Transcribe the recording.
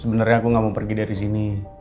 sebenernya aku gak mau pergi dari sini